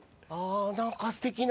なんかすてきな。